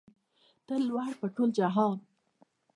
ته لوړ په ټول جهان